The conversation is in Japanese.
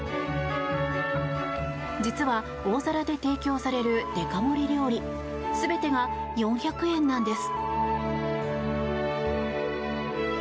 実は、大皿で提供されるデカ盛り料理全てが４００円なんです。